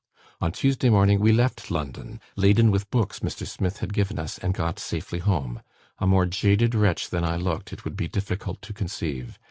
"On Tuesday morning, we left London, laden with books Mr. Smith had given us, and got safely home. A more jaded wretch than I looked, it would be difficult to conceive.